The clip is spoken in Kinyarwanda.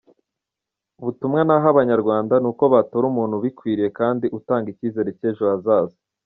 Ubutumwa naha abanyarwanda ni uko batora umuntu ubikwiriye kandi utanga icyizere cy'ejo heza.